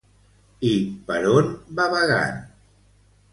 I per on va vagant?